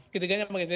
ketiganya makin solid